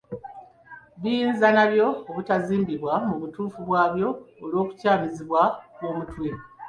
Biyinza n’abyo obutazimbibwa mu butuufu bwabyo olw’okukyamizibwa kw’omutwe.